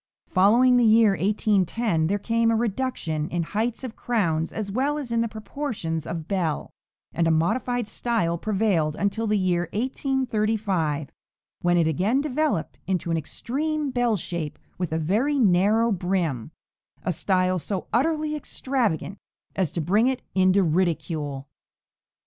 Following the year 1810 there came a reduction in heights of crowns as well as in the proportions of "bell," and a modified style prevailed until the year 1835, when it again developed into an extreme "bell" shape with a very narrow brim, a style so utterly extravagant as to bring it into ridicule.